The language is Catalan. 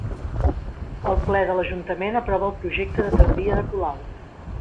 El ple de l'ajuntament aprova el projecte de tramvia de Colau